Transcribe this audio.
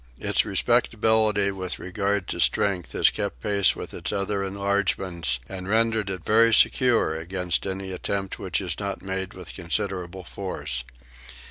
Its respectability with regard to strength has kept pace with its other enlargements and rendered it very secure against any attempt which is not made with considerable force.